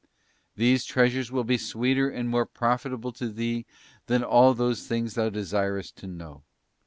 '* These treasures will be sweeter and more profitable to thee than all those things thou desirest to know.